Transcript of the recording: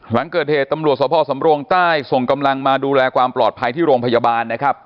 หลังเกิดเหตุตำรวจสภสำรงใต้ส่งกำลังมาดูแลความปลอดภัยที่โรงพยาบาลนะครับ